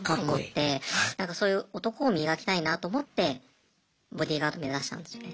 なんかそういう男を磨きたいなと思ってボディーガード目指したんですよね。